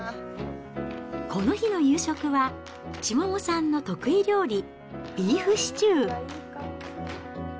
この日の夕食は、千桃さんの得意料理、ビーフシチュー。